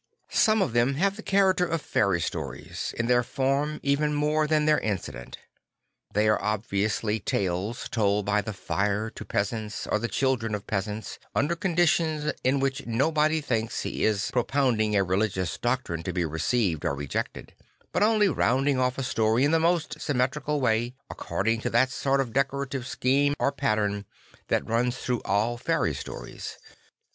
Some of them have the character of fairy stories, in their form even more than their incident. They are obviously tales told by the fire to peasants or the children of peasants, under conditions in which nobody thinks he is propound ing a religious doctrine to be received or rejected, but only rounding off a story in the most sym metrical way, according to that sort of decorative scheme or pattern that runs through all fairy stories.